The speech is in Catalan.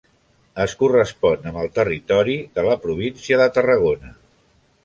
Es correspon amb el territori de la província de Tarragona.